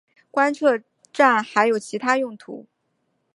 观测站还有其它用途。